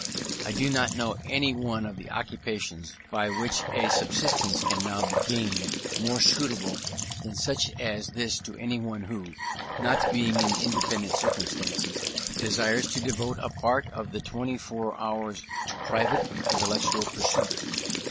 I do not know any one of the occupations by which a subsistence can now be gained, more suitable than such as this to anyone who, not being in independent circumstances, desires to devote a part of the twenty four hours to private intellectual pursuits.